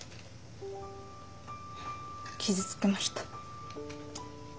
傷つけました。